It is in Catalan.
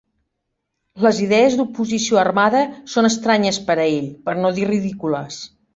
Les idees d'oposició armada són estranyes per a ell, per no dir ridícules.